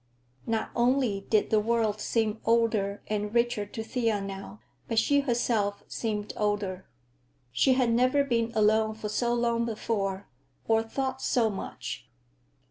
Not only did the world seem older and richer to Thea now, but she herself seemed older. She had never been alone for so long before, or thought so much.